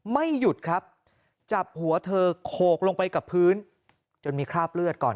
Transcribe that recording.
ไม่หยุดครับจับหัวเธอโขกลงไปกับพื้นจนมีคราบเลือดก่อน